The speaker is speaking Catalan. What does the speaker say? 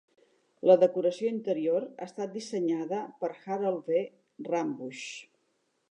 La decoració interior ha estat dissenyada per Harold W. Rambusch.